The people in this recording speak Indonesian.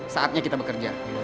saatnya kita bekerja